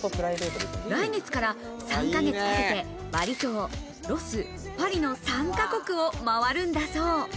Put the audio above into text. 来月から３ヶ月かけて、バリ島・ロス・パリの３ヶ国を回るんだそう。